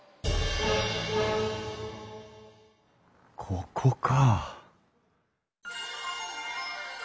ここか。